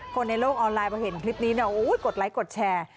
ในโลกออนไลน์พอเห็นคลิปนี้กดไลค์กดแชร์